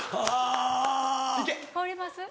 香ります？